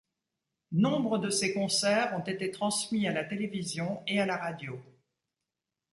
Nombre de ces concerts ont été transmis à la télévision et à la radio.